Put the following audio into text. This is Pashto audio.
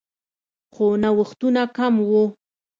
خو نوښتونه کم وو